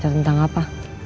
cerita tentang apa